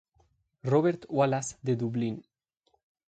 Robert Wallace de Dublin.